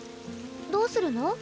どうするの？